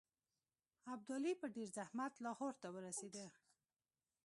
ابدالي په ډېر زحمت لاهور ته ورسېدی.